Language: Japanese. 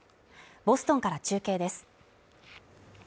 ボストンから中継です。